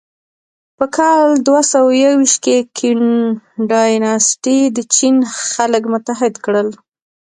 په کال دوهسوهیوویشت کې کین ډایناسټي د چین خلک متحد کړل.